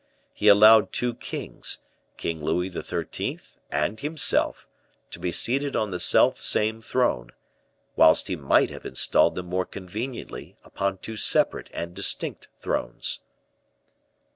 He allowed two kings, King Louis XIII. and himself, to be seated on the self same throne, whilst he might have installed them more conveniently upon two separate and distinct thrones."